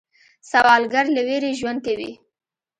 سوالګر له ویرې ژوند کوي